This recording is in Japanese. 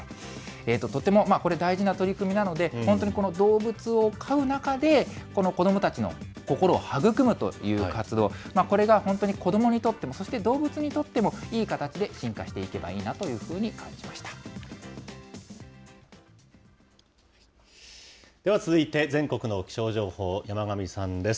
とてもこれ、大事な取り組みなので、本当にこの動物を飼う中で、この子どもたちの心を育むという活動、これが本当に子どもにとっても、そして動物にとってもいい形で進化していけばいいなというふうにでは続いて全国の気象情報、山神さんです。